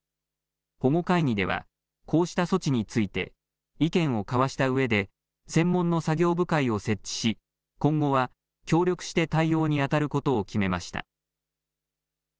保護会議ではこうした措置について意見を交わしたうえで専門の作業部会を設置し今後は協力して対応にあたることを決めました。